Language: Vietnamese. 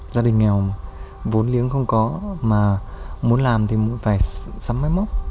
gia đình nghèo vốn liếng không có mà muốn làm thì phải sắm máy móc